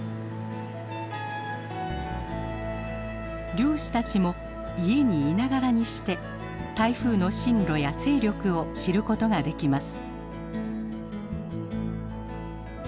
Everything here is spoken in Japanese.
漁師たちも家にいながらにして台風の進路や勢力を知ることができます。